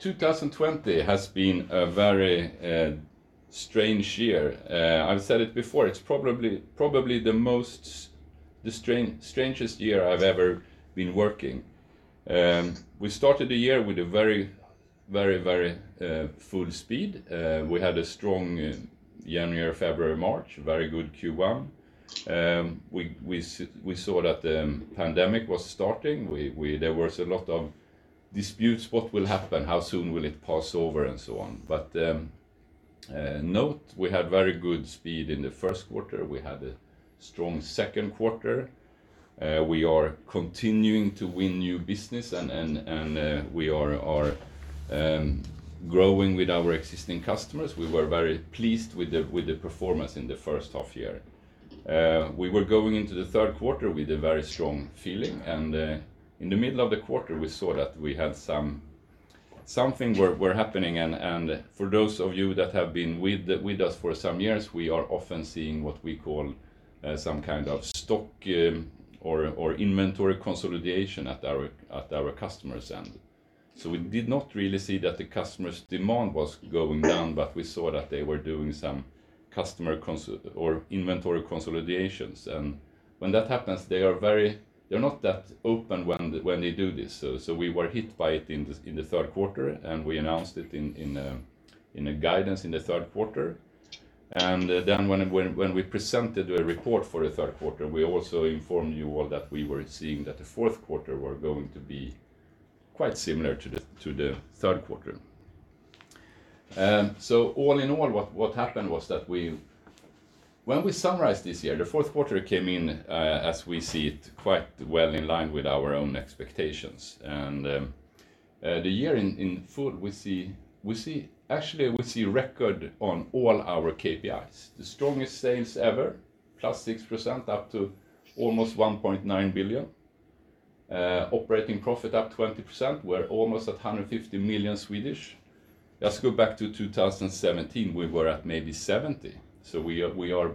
2020 has been a very strange. I've said it before, it's probably the strangest year I've ever been working. We started the year with a very full speed. We had a strong January, February, March, very good Q1. We saw that the pandemic was starting. There was a lot of disputes. What will happen? How soon will it pass over? So on. NOTE, we had very good speed in the first quarter. We had a strong second quarter. We are continuing to win new business, and we are growing with our existing customers. We were very pleased with the performance in the first half year. We were going into the Q3 with a very strong feeling, and in the middle of the quarter, we saw that we had something were happening. For those of you that have been with us for some years, we are often seeing what we call some kind of stock or inventory consolidation at our customers' end. We did not really see that the customer's demand was going down, but we saw that they were doing some customer or inventory consolidations. When that happens, they're not that open when they do this. We were hit by it in the third quarter, and we announced it in a guidance in the third quarter. When we presented a report for the third quarter, we also informed you all that we were seeing that the Q4 were going to be quite similar to the third quarter. All in all, what happened was that when we summarized this year, the Q4 came in, as we see it, quite well in line with our own expectations. The year in full, actually, we see record on all our KPIs. The strongest sales ever, plus 6%, up to almost 1.9 billion. Operating profit up 20%, we're almost at 150 million. Let's go back to 2017, we were at maybe 70. We are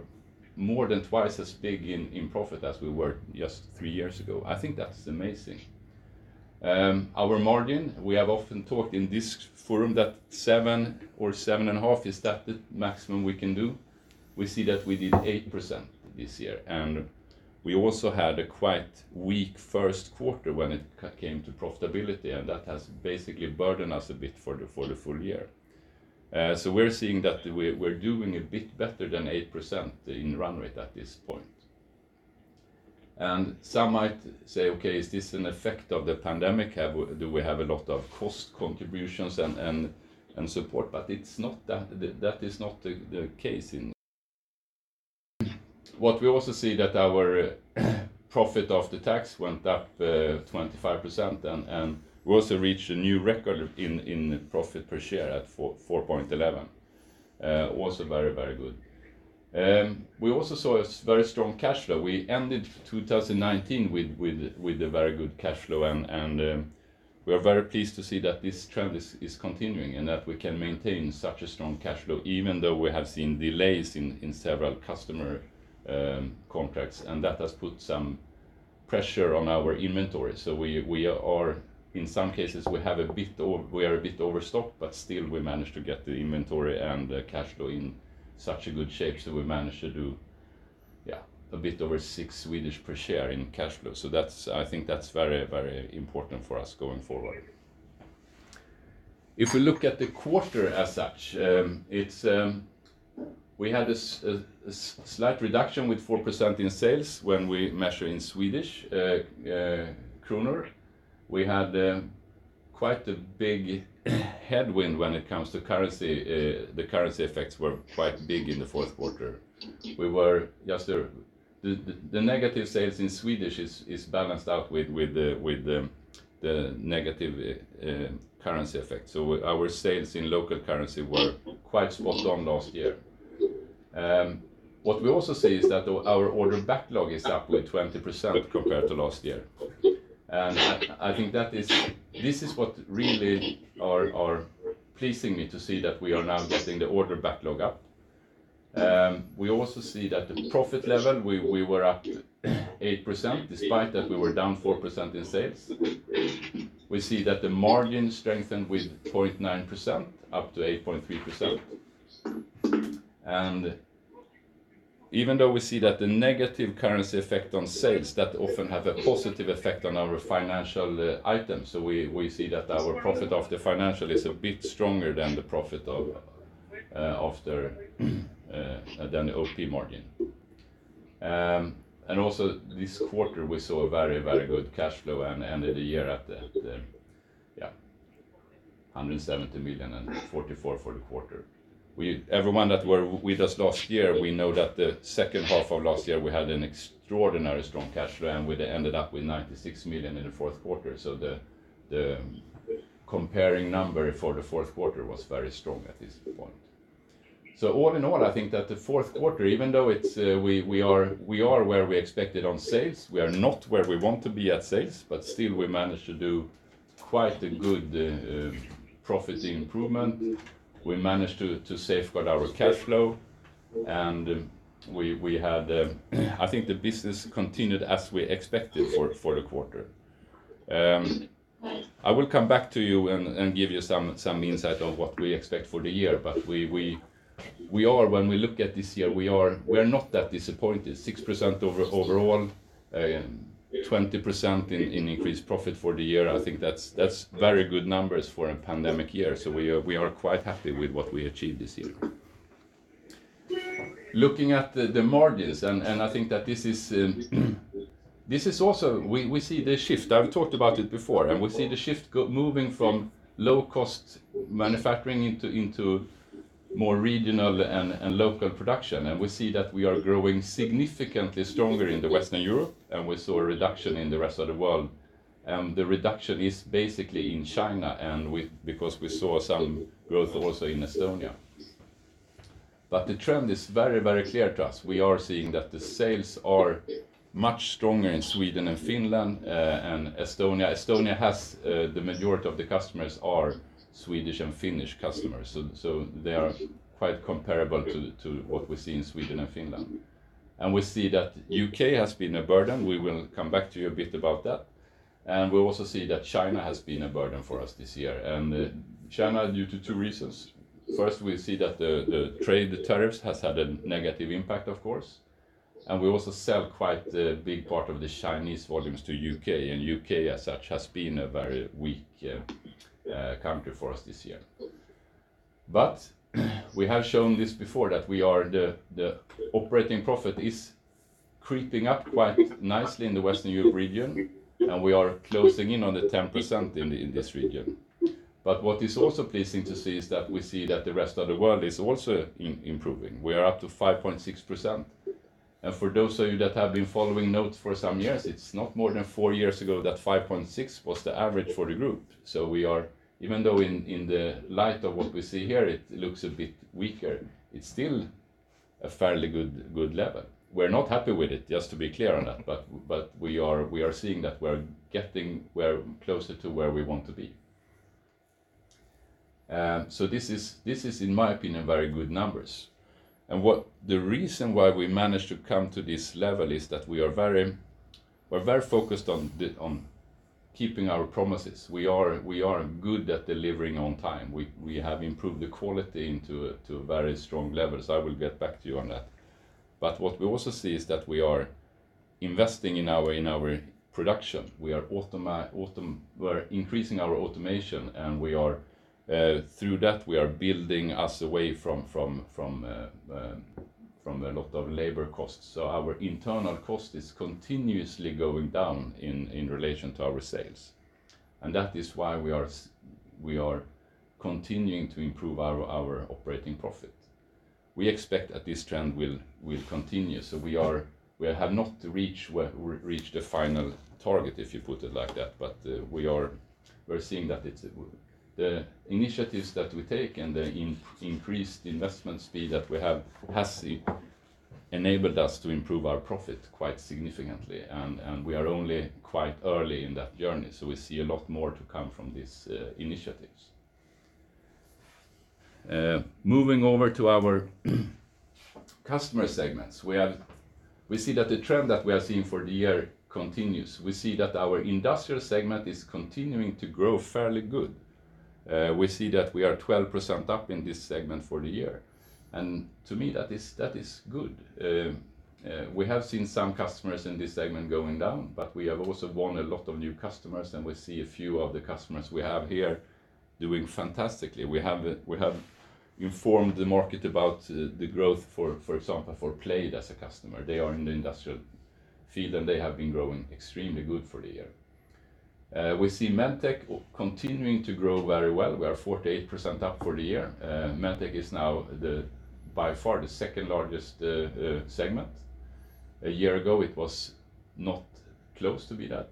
more than twice as big in profit as we were just three years ago. I think that's amazing. Our margin, we have often talked in this forum that seven or seven and a half, is that the maximum we can do? We see that we did 8% this year, and we also had a quite weak Q1 when it came to profitability, and that has basically burdened us a bit for the full year. We're seeing that we're doing a bit better than 8% in run rate at this point. Some might say, okay, is this an effect of the pandemic? Do we have a lot of cost contributions and support? That is not the case, and what we also see that our profit after tax went up 25%, and we also reached a new record in profit per share at 4.11. Also very, very good. We also saw a very strong cash flow. We ended 2019 with a very good cash flow, and we are very pleased to see that this trend is continuing, and that we can maintain such a strong cash flow, even though we have seen delays in several customer contracts. That has put some pressure on our inventory. In some cases, we are a bit overstocked, but still we manage to get the inventory and the cash flow in such a good shape that we manage to do a bit over 6 SEK per share in cash flow. I think that's very, very important for us going forward. If we look at the quarter as such, we had a slight reduction with 4% in sales when we measure in SEK. We had quite a big headwind when it comes to currency. The currency effects were quite big in the fourth quarter. The negative sales in SEK is balanced out with the negative currency effect. Our sales in local currency were quite spot on last year. What we also see is that our order backlog is up with 20% compared to last year. I think this is what really are pleasing me to see that we are now getting the order backlog up. We also see that the profit level, we were up 8%, despite that we were down 4% in sales. We see that the margin strengthened with 0.9%, up to 8.3%. Even though we see that the negative currency effect on sales, that often have a positive effect on our financial items. We see that our profit of the financial is a bit stronger than the OP margin. Also this quarter, we saw a very, very good cash flow and ended the year at 170 million and 44 million for the quarter. Everyone that were with us last year, we know that the second half of last year, we had an extraordinary strong cash flow, and we ended up with 96 million in the fourth quarter. The comparing number for the Q4 was very strong at this point. All in all, I think that the fourth quarter, even though we are where we expected on sales, we are not where we want to be at sales, but still, we managed to do quite a good profit improvement. We managed to safeguard our cash flow. And I think the business continued as we expected for the quarter. I will come back to you and give you some insight on what we expect for the year. When we look at this year, we are not that disappointed, 6% overall, 20% in increased profit for the year. I think that is very good numbers for a pandemic year. We are quite happy with what we achieved this year. Looking at the margins, I think that we see the shift. I have talked about it before, we see the shift moving from low-cost manufacturing into more regional and local production. We see that we are growing significantly stronger in Western Europe, and we saw a reduction in the rest of the world. The reduction is basically in China because we saw some growth also in Estonia. The trend is very clear to us. We are seeing that the sales are much stronger in Sweden and Finland and Estonia. Estonia, the majority of the customers are Swedish and Finnish customers, so they are quite comparable to what we see in Sweden and Finland. We see that U.K. has been a burden. We will come back to you a bit about that. We also see that China has been a burden for us this year. China due to two reasons. First, we see that the trade tariffs has had a negative impact, of course, and we also sell quite a big part of the Chinese volumes to U.K. U.K. as such, has been a very weak country for us this year. But we have shown this before, that the operating profit is creeping up quite nicely in the Western Europe region, and we are closing in on the 10% in this region. But what is also pleasing to see is that we see that the rest of the world is also improving. We are up to 5.6%. For those of you that have been following NOTE for some years, it's not more than four years ago that 5.6 was the average for the group. Even though in the light of what we see here, it looks a bit weaker, it's still a fairly good level. We're not happy with it, just to be clear on that. We are seeing that we're getting closer to where we want to be. This is, in my opinion, very good numbers. The reason why we managed to come to this level is that we're very focused on keeping our promises. We are good at delivering on time. We have improved the quality into very strong levels. I will get back to you on that. What we also see is that we are investing in our production. We're increasing our automation, and through that, we are building us away from a lot of labor costs. Our internal cost is continuously going down in relation to our sales. That is why we are continuing to improve our operating profit. We expect that this trend will continue. We have not reached the final target, if you put it like that. We're seeing that the initiatives that we take and the increased investment speed that we have has enabled us to improve our profit quite significantly. We are only quite early in that journey, so we see a lot more to come from these initiatives. Moving over to our customer segments. We see that the trend that we are seeing for the year continues. We see that our industrial segment is continuing to grow fairly good. We see that we are 12% up in this segment for the year. To me, that is good. We have seen some customers in this segment going down, but we have also won a lot of new customers, and we see a few of the customers we have here doing fantastically. We have informed the market about the growth, for example, for as a customer. They are in the industrial field, and they have been growing extremely good for the year. We see Medtech continuing to grow very well. We are 48% up for the year. Medtech is now by far the second-largest segment. A year ago, it was not close to be that.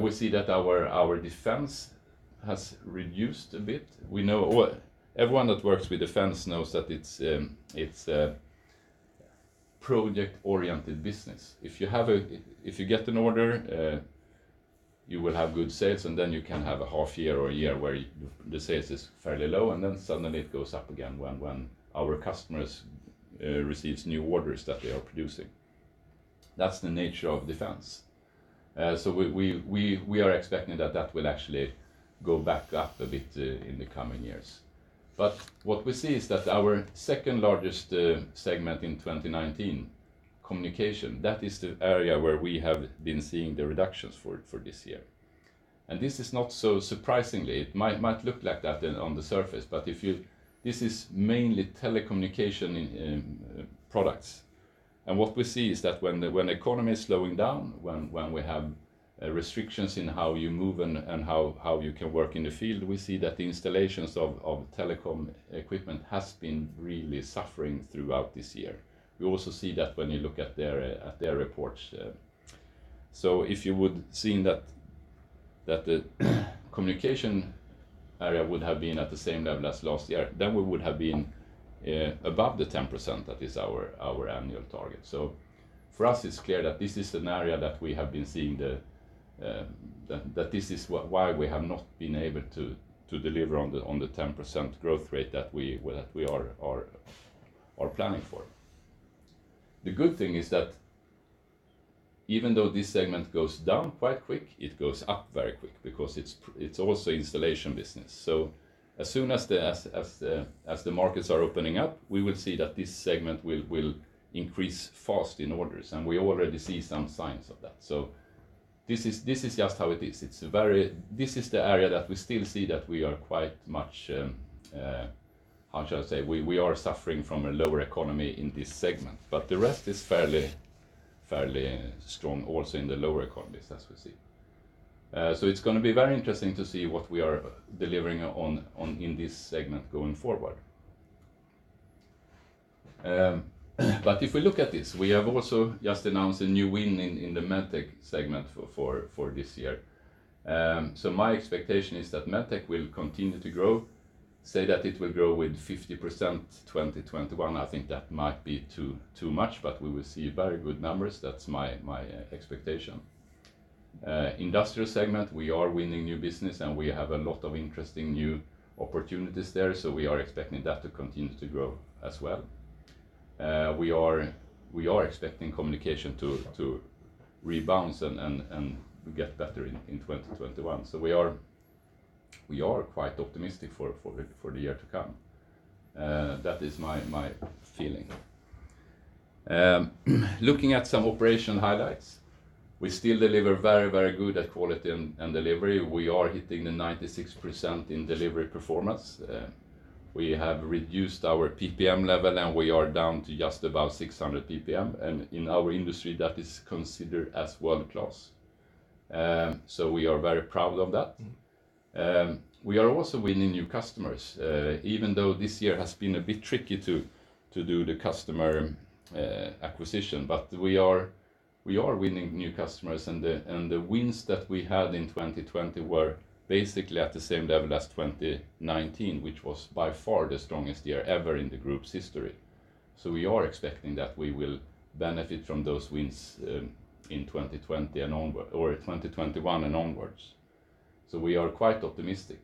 We see that our defense has reduced a bit. Everyone that works with defense knows that it's a project-oriented business. If you get an order, you will have good sales, and then you can have a half year or a year where the sales is fairly low, and then suddenly it goes up again when our customers receives new orders that they are producing. That's the nature of defense. We are expecting that that will actually go back up a bit in the coming years. What we see is that our second-largest segment in 2019, communication, that is the area where we have been seeing the reductions for this year. This is not so surprising. It might look like that on the surface, but this is mainly telecommunication products. What we see is that when the economy is slowing down, when we have restrictions in how you move and how you can work in the field, we see that the installations of telecom equipment has been really suffering throughout this year. We also see that when you look at their reports. If you would have seen that the communication area would have been at the same level as last year, then we would have been above the 10% that is our annual target. For us, it's clear that this is an area that we have been seeing that this is why we have not been able to deliver on the 10% growth rate that we are planning for. The good thing is that even though this segment goes down quite quick, it goes up very quick because it's also installation business. As soon as the markets are opening up, we will see that this segment will increase fast in orders, and we already see some signs of that. This is just how it is. This is the area that we still see that we are quite much, how shall I say, we are suffering from a lower economy in this segment, but the rest is fairly strong, also in the lower economies as we see. It's going to be very interesting to see what we are delivering on in this segment going forward. If we look at this, we have also just announced a new win in the Medtech segment for this year. My expectation is that Medtech will continue to grow, say that it will grow with 50% 2021. I think that might be too much, but we will see very good numbers. That's my expectation. Industrial segment, we are winning new business and we have a lot of interesting new opportunities there. We are expecting that to continue to grow as well. We are expecting communication to bounce and get better in 2021. We are quite optimistic for the year to come. That is my feeling. Looking at some operation highlights, we still deliver very good at quality and delivery. We are hitting the 96% in delivery performance. We have reduced our PPM level, and we are down to just about 600 PPM, and in our industry, that is considered as world-class. We are very proud of that. We are also winning new customers, even though this year has been a bit tricky to do the customer acquisition. We are winning new customers, and the wins that we had in 2020 were basically at the same level as 2019, which was by far the strongest year ever in the group's history. We are expecting that we will benefit from those wins in 2021 and onwards. We are quite optimistic.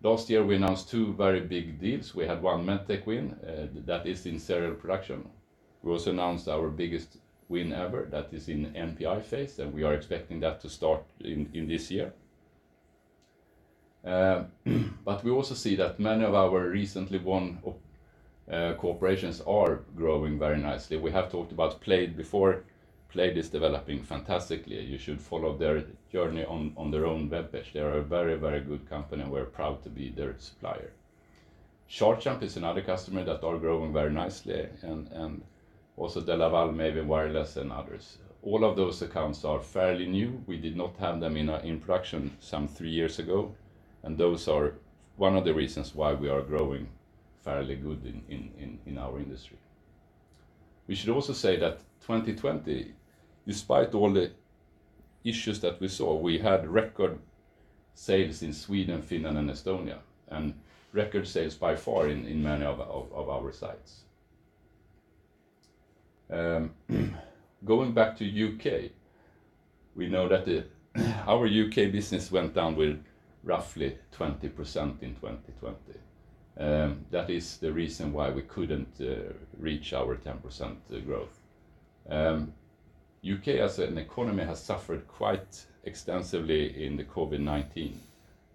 Last year we announced two very big deals. We had one Medtech win that is in serial production. We also announced our biggest win ever that is in NPI, and we are expecting that to start in this year. We also see that many of our recently won corporations are growing very nicely. We have talked about Plejd before. Plaid is developing fantastically. You should follow their journey on their own webpage. They are a very good company, and we're proud to be their supplier. Charge Amps is another customer that are growing very nicely and also, Maven Wireless and others. All of those accounts are fairly new. We did not have them in production some three years ago, and those are one of the reasons why we are growing fairly good in our industry. We should also say that 2020, despite all the issues that we saw, we had record sales in Sweden, Finland and Estonia, and record sales by far in many of our sites. Going back to U.K., we know that our U.K. business went down with roughly 20% in 2020. That is the reason why we couldn't reach our 10% growth. U.K. as an economy has suffered quite extensively in the COVID-19.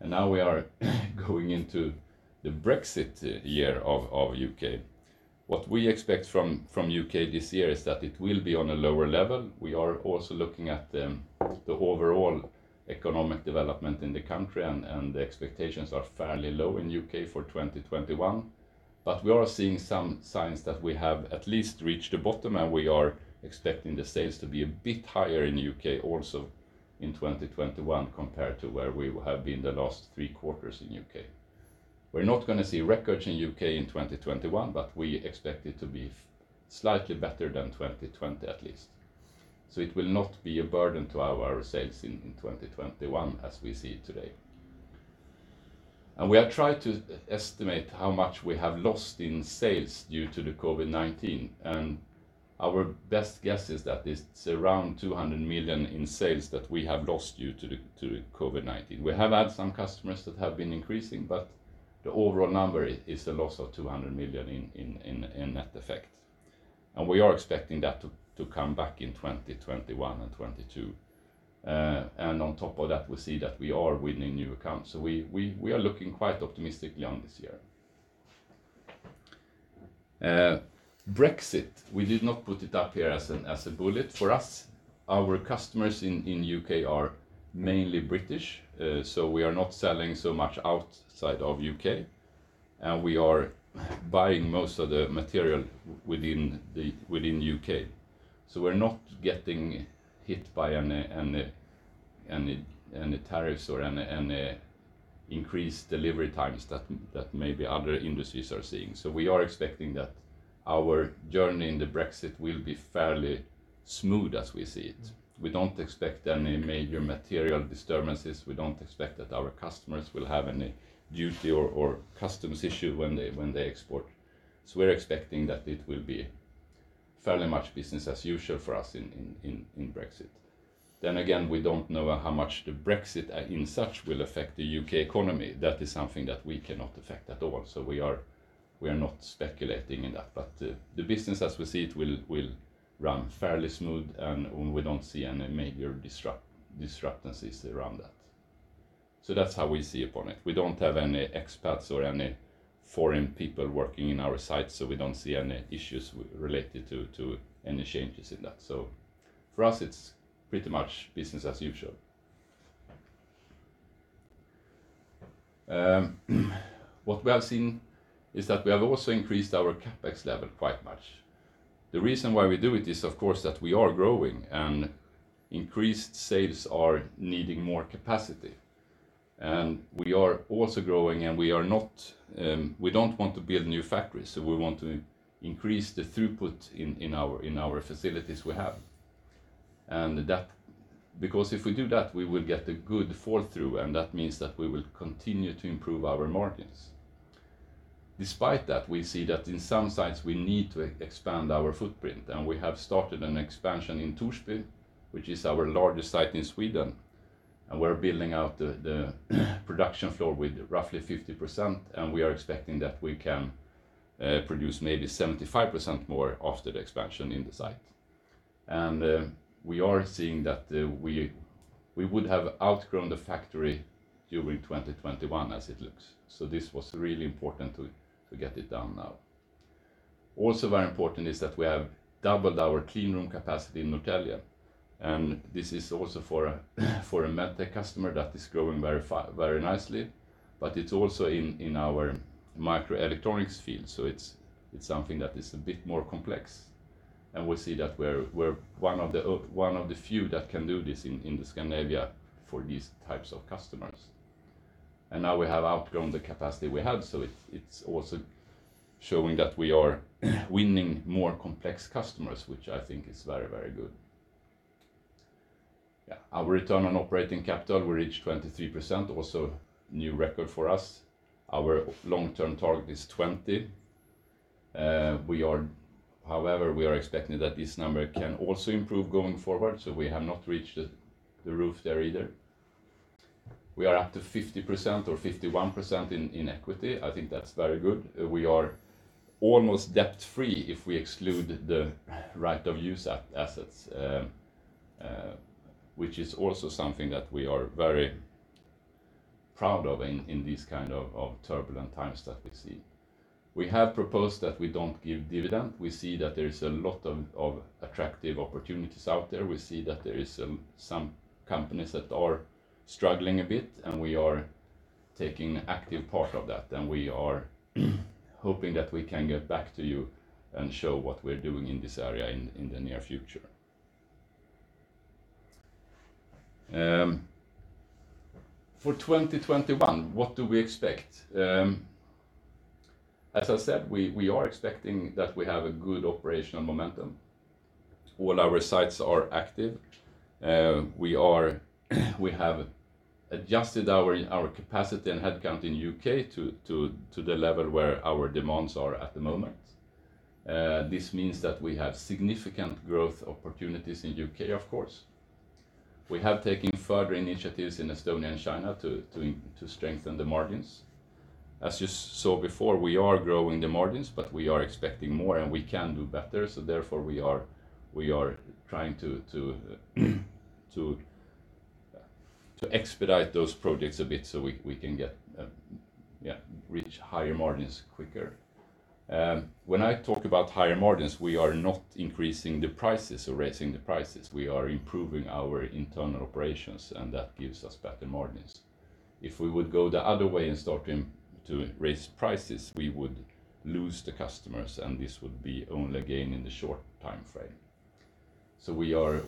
Now we are going into the Brexit year of U.K. What we expect from U.K. this year is that it will be on a lower level. We are also looking at the overall economic development in the country, the expectations are fairly low in U.K. for 2021. We are seeing some signs that we have at least reached the bottom, we are expecting the sales to be a bit higher in U.K. also in 2021 compared to where we have been the last three quarters in U.K. We're not going to see records in U.K. in 2021, we expect it to be slightly better than 2020 at least. It will not be a burden to our sales in 2021 as we see today. We have tried to estimate how much we have lost in sales due to the COVID-19, our best guess is that it's around 200 million in sales that we have lost due to COVID-19. We have had some customers that have been increasing, but the overall number is a loss of 200 million in net effect. We are expecting that to come back in 2021 and 2022. On top of that, we see that we are winning new accounts. We are looking quite optimistically on this year. Brexit, we did not put it up here as a bullet for us. Our customers in U.K. are mainly British. We are not selling so much outside of U.K., and we are buying most of the material within U.K. We're not getting hit by any tariffs or any increased delivery times that maybe other industries are seeing. We are expecting that our journey in the Brexit will be fairly smooth as we see it. We don't expect any major material disturbances. We don't expect that our customers will have any duty or customs issue when they export. We're expecting that it will be fairly much business as usual for us in Brexit. We don't know how much the Brexit in such will affect the U.K. economy. That is something that we cannot affect at all. We are not speculating in that, but the business as we see it will run fairly smooth, and we don't see any major disruptions around that. That's how we see upon it. We don't have any expats or any foreign people working in our sites, so we don't see any issues related to any changes in that. For us, it's pretty much business as usual. What we have seen is that we have also increased our CapEx level quite much. The reason why we do it is, of course, that we are growing and increased sales are needing more capacity. We are also growing, we don't want to build new factories, we want to increase the throughput in our facilities we have. If we do that, we will get a good fall-through, that means that we will continue to improve our margins. Despite that, we see that in some sites, we need to expand our footprint, we have started an expansion in Torsby, which is our largest site in Sweden. We're building out the production floor with roughly 50%, we are expecting that we can produce maybe 75% more after the expansion in the site. We are seeing that we would have outgrown the factory during 2021 as it looks. This was really important to get it done now. Very important is that we have doubled our clean room capacity in Norrtälje, and this is also for a Medtech customer that is growing very nicely, but it's also in our microelectronics field. It's something that is a bit more complex, and we see that we're one of the few that can do this in the Scandinavia for these types of customers. Now we have outgrown the capacity we had, it's also showing that we are winning more complex customers, which I think is very, very good. Yeah. Our return on operating capital, we reached 23%, also new record for us. Our long-term target is 20%. However, we are expecting that this number can also improve going forward, we have not reached the roof there either. We are up to 50% or 51% in equity. I think that's very good. We are almost debt-free if we exclude the right of use of assets, which is also something that we are very proud of in these kind of turbulent times that we see. We have proposed that we don't give dividend. We see that there is a lot of attractive opportunities out there. We see that there is some companies that are struggling a bit, and we are taking active part of that, and we are hoping that we can get back to you and show what we're doing in this area in the near future. For 2021, what do we expect? As I said, we are expecting that we have a good operational momentum. All our sites are active. We have adjusted our capacity and headcount in U.K. to the level where our demands are at the moment. This means that we have significant growth opportunities in U.K., of course. We have taken further initiatives in Estonia and China to strengthen the margins. As you saw before, we are growing the margins, but we are expecting more and we can do better. Therefore, we are trying to expedite those projects a bit so we can reach higher margins quicker. When I talk about higher margins, we are not increasing the prices or raising the prices. We are improving our internal operations, and that gives us better margins. If we would go the other way and start to raise prices, we would lose the customers, and this would be only a gain in the short timeframe.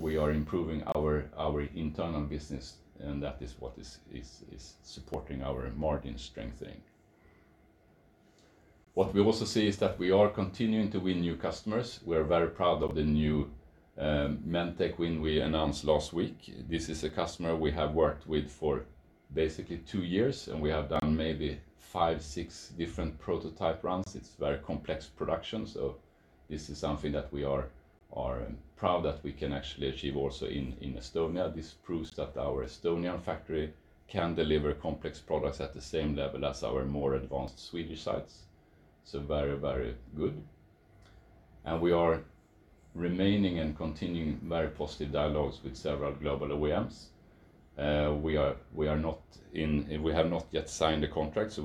We are improving our internal business, and that is what is supporting our margin strengthening. What we also see is that we are continuing to win new customers. We are very proud of the new Medtech win we announced last week. This is a customer we have worked with for basically two years, and we have done maybe five, six different prototype runs. It's very complex production, so this is something that we are proud that we can actually achieve also in Estonia. This proves that our Estonian factory can deliver complex products at the same level as our more advanced Swedish sites, so very good. We are remaining and continuing very positive dialogues with several global OEMs. We have not yet signed a contract, so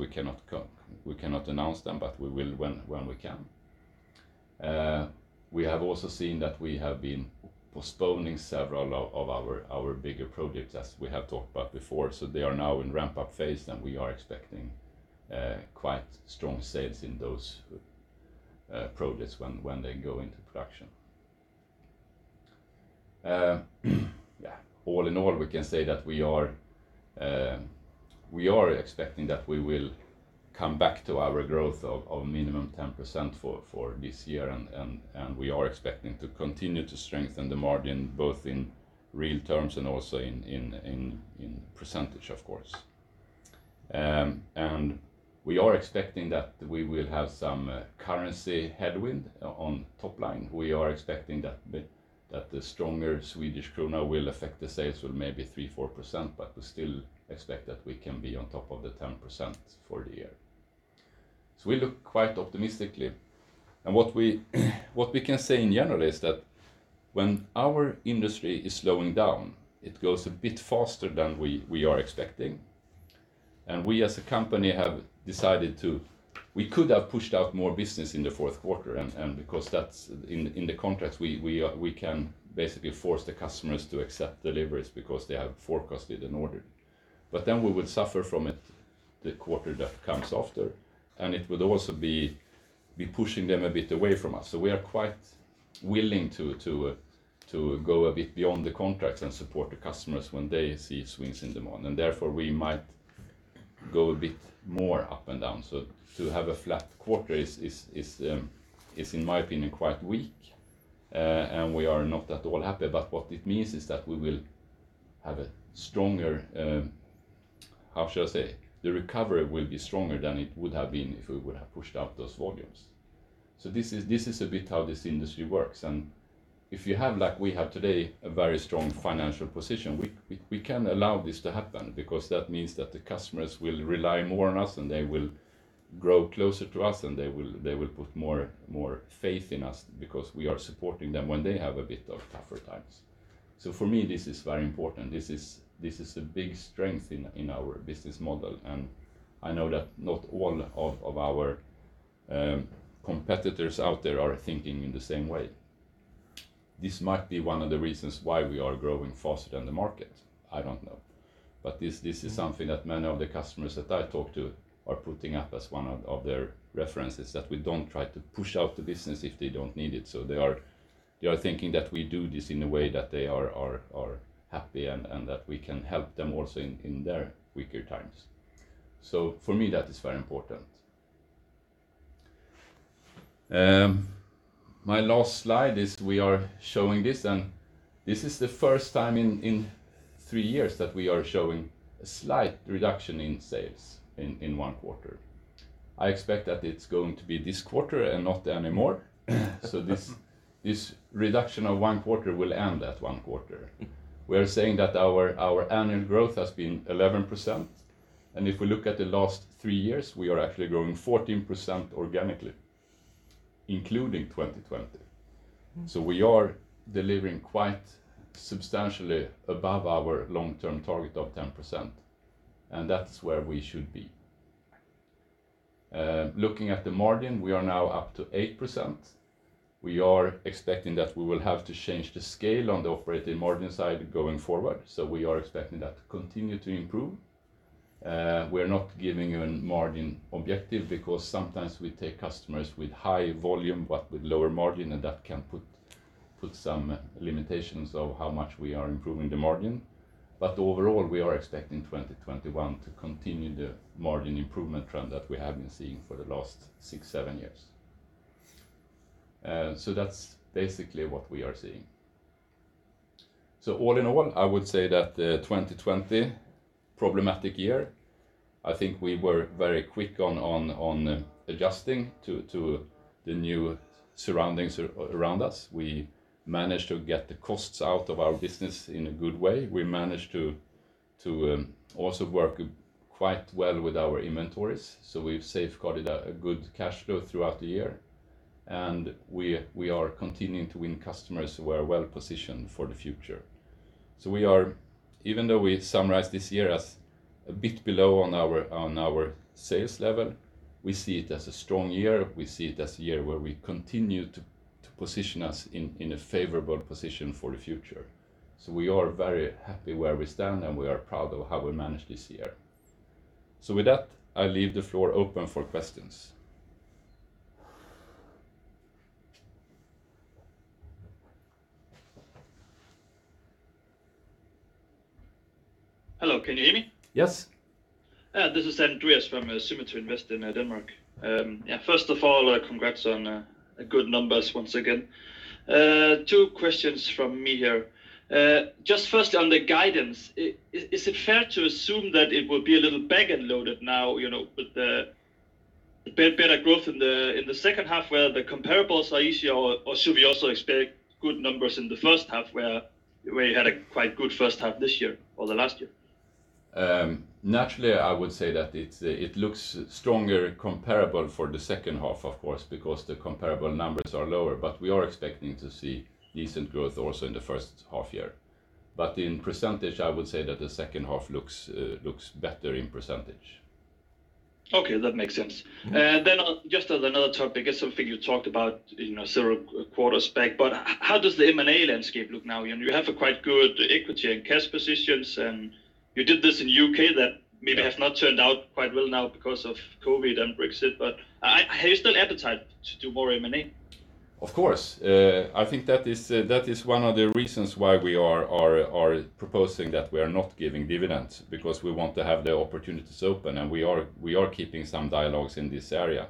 we cannot announce them, but we will when we can. We have also seen that we have been postponing several of our bigger projects, as we have talked about before. They are now in ramp-up phase, and we are expecting quite strong sales in those projects when they go into production. All in all, we can say that we are expecting that we will come back to our growth of minimum 10% for this year, and we are expecting to continue to strengthen the margin, both in real terms and also in percentage, of course. We are expecting that we will have some currency headwind on top line. We are expecting that the stronger Swedish krona will affect the sales with maybe 3%, 4%, but we still expect that we can be on top of the 10% for the year. We look quite optimistically. What we can say in general is that when our industry is slowing down, it goes a bit faster than we are expecting. We could have pushed out more business in the fourth quarter, and because that's in the contracts, we can basically force the customers to accept deliveries because they have forecasted an order. We would suffer from it the quarter that comes after, and it would also be pushing them a bit away from us. We are quite willing to go a bit beyond the contracts and support the customers when they see swings in demand. Therefore, we might go a bit more up and down. To have a flat quarter is, in my opinion, quite weak. We are not at all happy. What it means is that we will have a stronger, how shall I say? The recovery will be stronger than it would have been if we would have pushed out those volumes. This is a bit how this industry works. If you have, like we have today, a very strong financial position, we can allow this to happen because that means that the customers will rely more on us, and they will grow closer to us, and they will put more faith in us because we are supporting them when they have a bit of tougher times. For me, this is very important. This is a big strength in our business model, and I know that not all of our competitors out there are thinking in the same way. This might be one of the reasons why we are growing faster than the market. I don't know. This is something that many of the customers that I talk to are putting up as one of their references, that we don't try to push out the business if they don't need it. They are thinking that we do this in a way that they are happy and that we can help them also in their weaker times. For me, that is very important. My last slide is we are showing this, and this is the first time in three years that we are showing a slight reduction in sales in one quarter. I expect that it's going to be this quarter and not anymore. This reduction of one quarter will end at one quarter. We are saying that our annual growth has been 11%, and if we look at the last three years, we are actually growing 14% organically, including 2020. We are delivering quite substantially above our long-term target of 10%, and that's where we should be. Looking at the margin, we are now up to 8%. We are expecting that we will have to change the scale on the operating margin side going forward, so we are expecting that to continue to improve. We are not giving you a margin objective because sometimes we take customers with high volume but with lower margin, and that can put some limitations of how much we are improving the margin. Overall, we are expecting 2021 to continue the margin improvement trend that we have been seeing for the last six, seven years. That's basically what we are seeing. All in all, I would say that 2020, problematic year. I think we were very quick on adjusting to the new surroundings around us. We managed to get the costs out of our business in a good way. We managed to also work quite well with our inventories, so we've safeguarded a good cash flow throughout the year, and we are continuing to win customers who are well-positioned for the future. Even though we summarize this year as a bit below on our sales level, we see it as a strong year. We see it as a year where we continue to position us in a favorable position for the future. We are very happy where we stand, and we are proud of how we managed this year. With that, I leave the floor open for questions. Hello, can you hear me? Yes. This is Andreas from Summit Invest in Denmark. First of all, congrats on the good numbers once again. Two questions from me here. Just firstly, on the guidance, is it fair to assume that it will be a little back-end loaded now, with the better growth in the second half where the comparables are easier? Should we also expect good numbers in the first half, where you had a quite good first half this year or the last year? Naturally, I would say that it looks stronger comparable for the second half, of course, because the comparable numbers are lower. We are expecting to see decent growth also in the first half year. In percentage, I would say that the second half looks better in percentage. Okay, that makes sense. Just as another topic. It's something you talked about several quarters back, but how does the M&A landscape look now? You have a quite good equity and cash positions, and you did this in U.K. Yeah Has not turned out quite well now because of COVID and Brexit, but have you still appetite to do more M&A? Of course. I think that is one of the reasons why we are proposing that we are not giving dividends because we want to have the opportunities open, and we are keeping some dialogues in this area.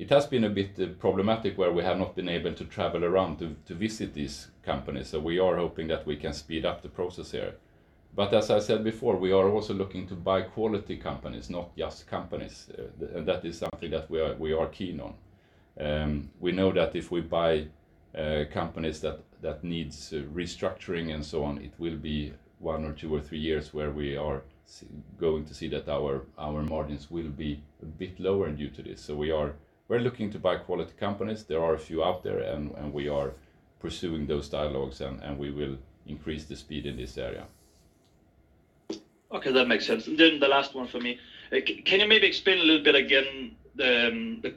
It has been a bit problematic where we have not been able to travel around to visit these companies. We are hoping that we can speed up the process here. As I said before, we are also looking to buy quality companies, not just companies. That is something that we are keen on. We know that if we buy companies that need restructuring and so on, it will be one or two or three years where we are going to see that our margins will be a bit lower due to this. We're looking to buy quality companies. There are a few out there, and we are pursuing those dialogues, and we will increase the speed in this area. Okay, that makes sense. The last one for me. Can you maybe explain a little bit again the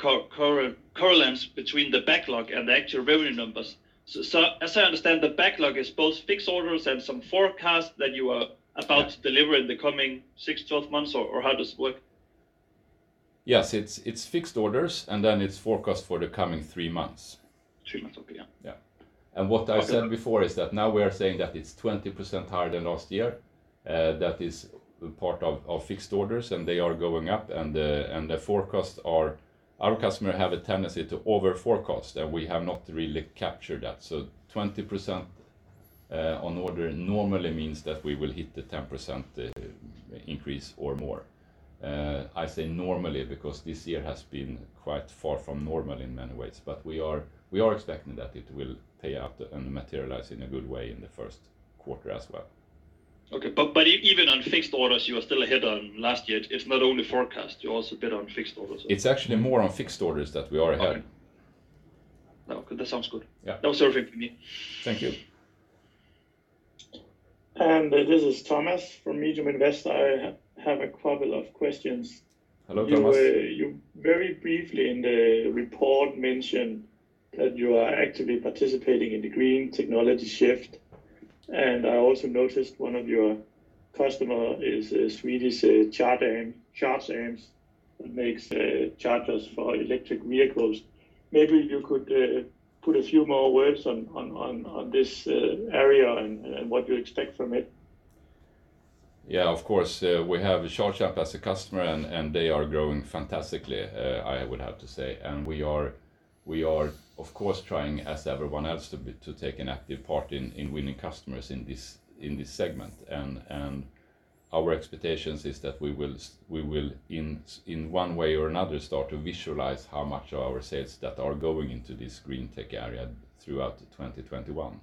correlations between the backlog and the actual revenue numbers? As I understand, the backlog is both fixed orders and some forecasts that you are about to deliver in the coming six, 12 months, or how does it work? Yes, it's fixed orders, and then it's forecast for the coming three months. Three months. Okay. Yeah. Yeah. What I said before is that now we are saying that it's 20% higher than last year. That is part of fixed orders, and they are going up. Our customer have a tendency to over-forecast, and we have not really captured that. 20% on order normally means that we will hit the 10% increase or more. I say normally because this year has been quite far from normal in many ways, but we are expecting that it will pay out and materialize in a good way in the Q1 as well. Okay. Even on fixed orders, you are still ahead on last year. It is not only forecast, you are also a bit on fixed orders. It's actually more on fixed orders that we are ahead. Okay. That sounds good. Yeah. That was everything for me. Thank you. This is Thomas from. I have a couple of questions. Hello, Thomas. You very briefly in the report mentioned that you are actively participating in the green technology shift, and I also noticed one of your customer is a Swedish Charge Amps that makes chargers for electric vehicles. Maybe you could put a few more words on this area and what you expect from it? Yeah, of course. We have Charge Amps as a customer. They are growing fantastically, I would have to say. We are of course trying, as everyone else, to take an active part in winning customers in this segment. Our expectations is that we will, in one way or another, start to visualize how much of our sales that are going into this green tech area throughout 2021.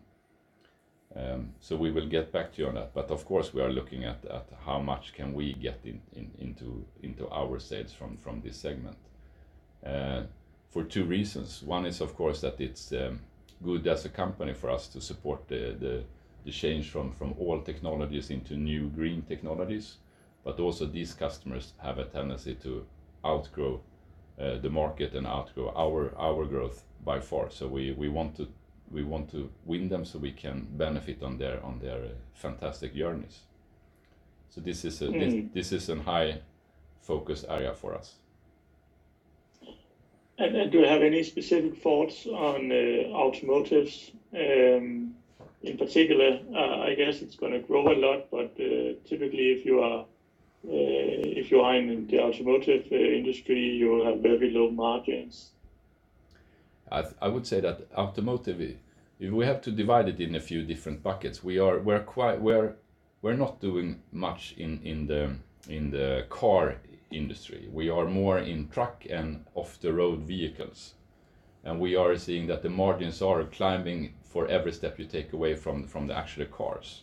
We will get back to you on that. Of course, we are looking at how much can we get into our sales from this segment for two reasons. One is, of course, that it's good as a company for us to support the change from oil technologies into new green technologies, but also these customers have a tendency to outgrow the market and outgrow our growth by far. We want to win them so we can benefit on their fantastic journeys. This is a high focus area for us. And then do you have any specific thoughts on automotives in particular? I guess it's going to grow a lot, but typically if you are in the automotive industry, you have very low margins. I would say that automotive, if we have to divide it in a few different buckets, we're not doing much in the car industry. We are more in truck and off-the-road vehicles. We are seeing that the margins are climbing for every step you take away from the actual cars.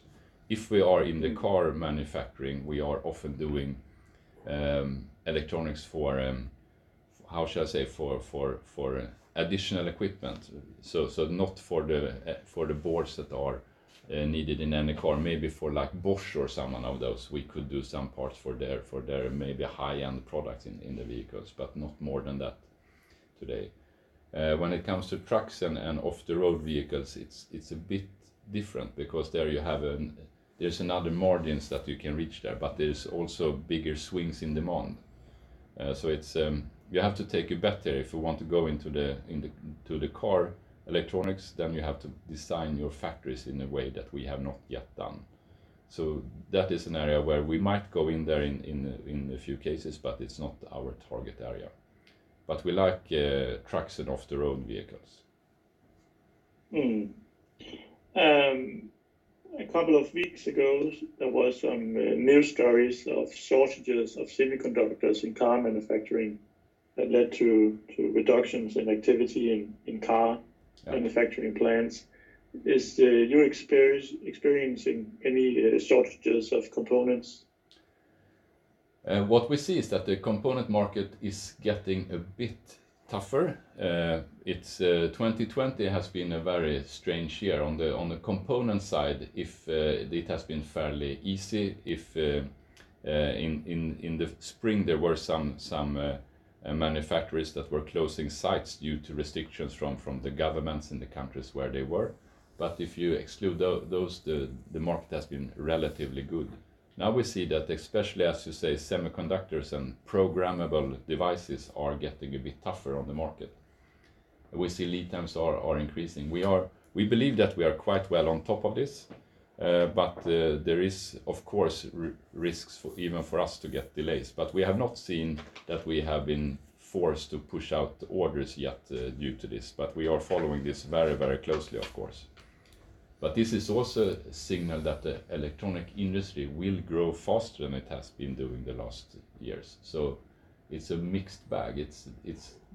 If we are in the car manufacturing, we are often doing electronics for, how shall I say, for additional equipment. Not for the boards that are needed in any car. Maybe for like Bosch or someone of those, we could do some parts for their maybe high-end products in the vehicles, but not more than that today. When it comes to trucks and off-the-road vehicles, it's a bit different because there's another margins that you can reach there, but there's also bigger swings in demand. You have to take a bet there. If you want to go into the car electronics, then you have to design your factories in a way that we have not yet done. That is an area where we might go in there in a few cases, but it's not our target area. We like trucks and off-the-road vehicles. A couple of weeks ago, there was some news stories of shortages of semiconductors in car manufacturing that led to reductions in activity in car manufacturing plants. Are you experiencing any shortages of components? What we see is that the component market is getting a bit tougher. 2020 has been a very strange year. On the component side, it has been fairly easy. In the spring, there were some manufacturers that were closing sites due to restrictions from the governments in the countries where they were. If you exclude those, the market has been relatively good. Now we see that especially, as you say, semiconductors and programmable devices are getting a bit tougher on the market. We see lead times are increasing. We believe that we are quite well on top of this, but there is, of course, risks even for us to get delays. We have not seen that we have been forced to push out orders yet due to this, but we are following this very closely, of course. This is also a signal that the electronic industry will grow faster than it has been doing the last years. It's a mixed bag. It's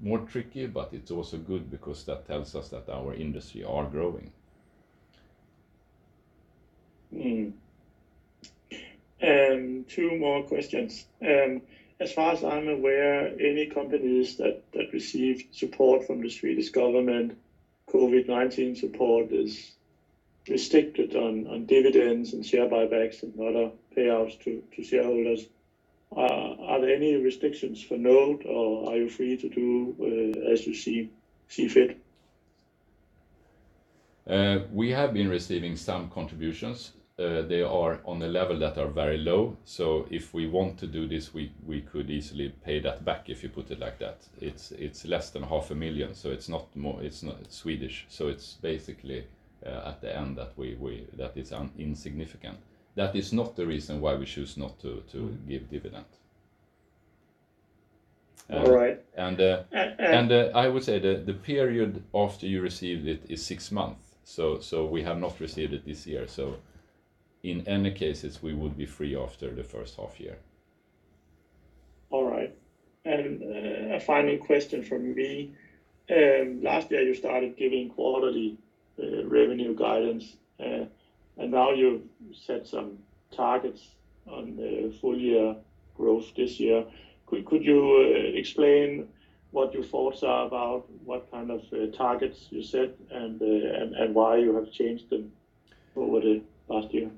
more tricky, but it's also good because that tells us that our industry are growing. Two more questions. As far as I'm aware, any companies that receive support from the Swedish government, COVID-19 support is restricted on dividends and share buybacks and other payouts to shareholders. Are there any restrictions for NOTE or are you free to do as you see fit? We have been receiving some contributions. They are on a level that are very low. If we want to do this, we could easily pay that back, if you put it like that. It's less than half a million SEK, it's basically at the end that is insignificant. That is not the reason why we choose not to give dividend. All right. I would say that the period after you received it is six months, so we have not received it this year. In any cases, we would be free after the first half year. All right. A final question from me. Last year, you started giving quarterly revenue guidance, and now you've set some targets on the full year growth this year. Could you explain what your thoughts are about what kind of targets you set and why you have changed them over the last year?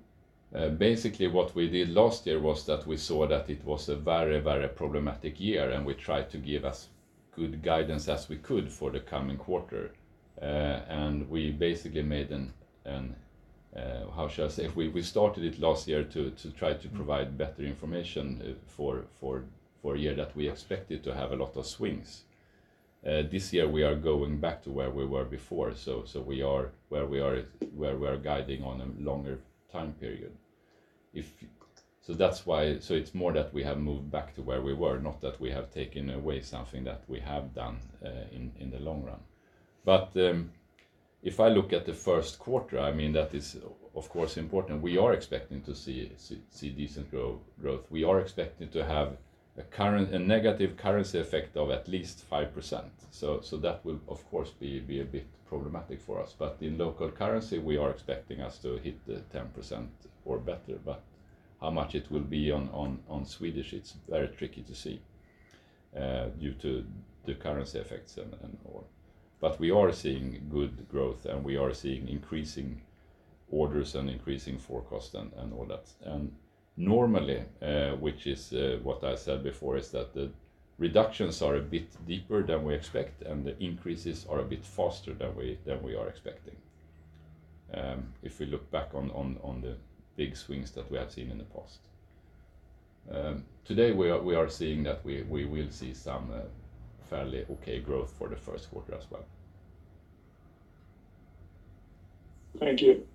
Basically, what we did last year was that we saw that it was a very problematic year, and we tried to give as good guidance as we could for the coming quarter. We basically started it last year to try to provide better information for a year that we expected to have a lot of swings. This year, we are going back to where we were before. We are guiding on a longer time period. It's more that we have moved back to where we were, not that we have taken away something that we have done in the long run. If I look at the first quarter, that is, of course, important. We are expecting to see decent growth. We are expecting to have a negative currency effect of at least 5%. That will, of course, be a bit problematic for us. In local currency, we are expecting us to hit the 10% or better, but how much it will be on SEK, it's very tricky to see due to the currency effects and all. We are seeing good growth, and we are seeing increasing orders and increasing forecast and all that. Normally, which is what I said before, is that the reductions are a bit deeper than we expect, and the increases are a bit faster than we are expecting, if we look back on the big swings that we have seen in the past. Today, we are seeing that we will see some fairly okay growth for the Q1 as well. Thank you.